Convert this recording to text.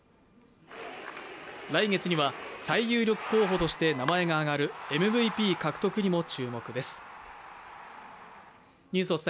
来月には最有力候補として名前が挙がるＭＶＰ獲得にも注目です。